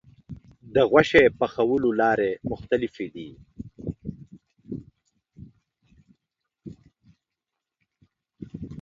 د غوښې پخولو لارې مختلفې دي.